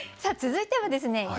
さあ続いてはですね